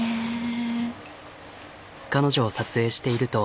彼女を撮影していると。